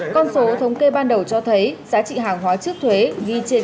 con số thống kê ban đầu cho thấy giá trị hàng hóa trước thuế ghi trên